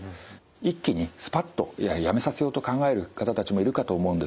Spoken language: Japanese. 一気にスパッとやめさせようと考える方たちもいるかと思うんですね。